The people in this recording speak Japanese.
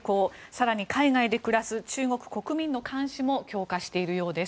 更に海外で暮らす中国国民の監視も強化しているようです。